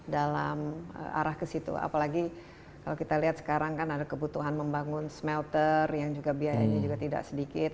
dalam arah ke situ apalagi kalau kita lihat sekarang kan ada kebutuhan membangun smelter yang juga biayanya juga tidak sedikit